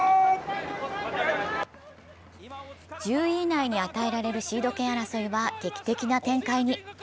１０位以内に与えられるシード権争いは劇的な展開に。